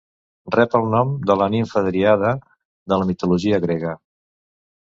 Rep el nom de la nimfa dríada de la mitologia grega.